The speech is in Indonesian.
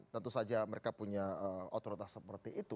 tentu saja mereka punya otoritas seperti itu